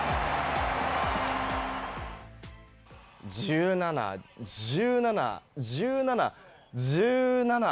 １７、１７１７、１７。